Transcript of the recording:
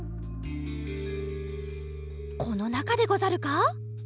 このなかでござるか？